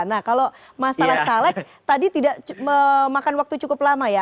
nah kalau masalah caleg tadi tidak memakan waktu cukup lama ya